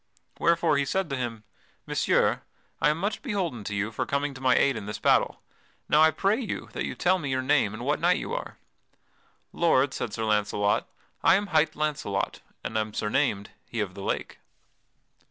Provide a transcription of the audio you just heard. Wherefore he said to him: "Messire, I am much beholden to you for coming to my aid in this battle. Now I pray you that you tell me your name and what knight you are." "Lord," said Sir Launcelot, "I am hight Launcelot, and am surnamed 'He of the Lake.'"